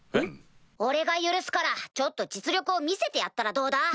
俺が許すからちょっと実力を見せてやったらどうだ？